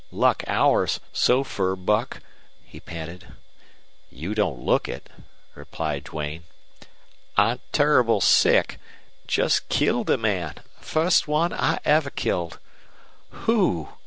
"Luck ours so fur, Buck!" he panted. "You don't look it," replied Duane. "I'm turrible sick. Jest killed a man. Fust one I ever killed!" "Who?"